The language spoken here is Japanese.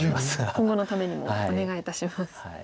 今後のためにもお願いいたします。